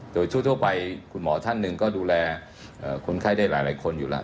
โดยทั่วไปคุณหมอท่านหนึ่งก็ดูแลคนไข้ได้หลายคนอยู่แล้ว